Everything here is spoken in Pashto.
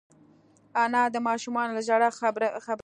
انا د ماشومانو له ژړا خبروي